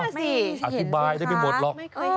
นั่นแหละสิไม่เห็นซุปครับไม่เคยเห็นอ่ะอธิบายได้ไม่หมดหรอก